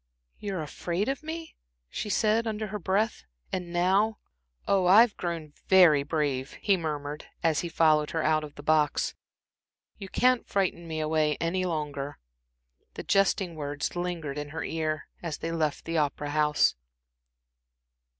"Ah, you were afraid of me?" she said, under her breath. "And now" "Oh, I've grown very brave," he murmured, as he followed her out of the box, "you can't frighten me away any longer." The jesting words lingered in her ear as they left the Opera House.